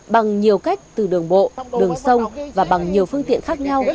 bằng nhiều cách từ đường bộ đường sông và bằng nhiều phương tiện khác nhau